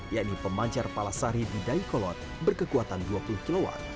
yakni pemancar palasari di daikolot berkekuatan dua puluh kilowatt